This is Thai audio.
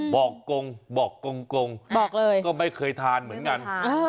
บอกกงก็ไม่เคยทานเหมือนกัน